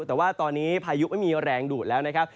แต่ว่าตอนนี้พายุไม่มีแรงดูดแล้วนะครับ